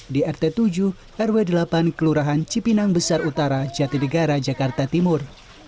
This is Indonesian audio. di rt tujuh rw delapan kelurahan cipinang besar utara jati negara jakarta timur